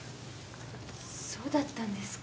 そうだったんですか。